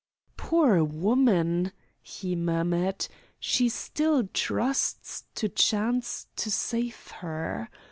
"Poor woman!" he murmured. "She still trusts to chance to save her.